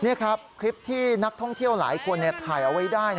นี่ครับคลิปที่นักท่องเที่ยวหลายคนถ่ายเอาไว้ได้